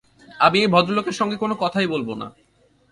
আমি এই ভদ্রলোকের সঙ্গে কোনো কথাই বলব না।